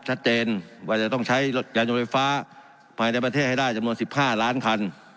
ชัดเจนว่าจะต้องใช้รถยานยนต์ไฟฟ้าภายในประเทศให้ได้จำนวน๑๕ล้านคัน